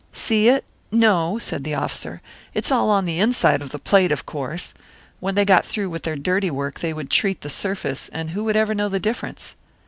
"See it? No!" said the officer. "It's all on the inside of the plate, of course. When they got through with their dirty work, they would treat the surface, and who would ever know the difference?"